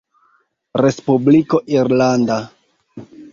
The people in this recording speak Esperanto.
Respubliko Irlanda.